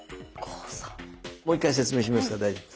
もう１回説明しますから大丈夫。